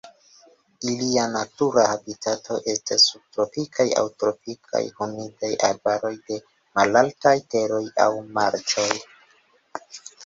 Ilia natura habitato estas subtropikaj aŭ tropikaj humidaj arbaroj de malaltaj teroj aŭ marĉoj.